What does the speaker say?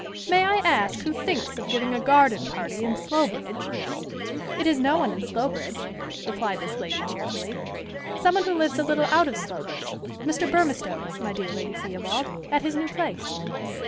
"May I ask who thinks of giving a garden party in Slowbridge?" "It is no one in Slowbridge," replied this lady cheerfully. "Some one who lives a little out of Slowbridge, Mr. Burmistone, my dear Lady Theobald, at his new place."